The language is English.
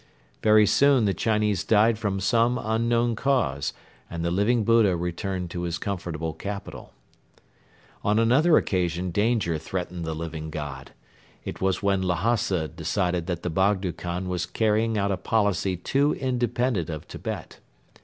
Very soon the Chinese died from some unknown cause and the Living Buddha returned to his comfortable capital. On another occasion danger threatened the Living God. It was when Lhasa decided that the Bogdo Khan was carrying out a policy too independent of Tibet.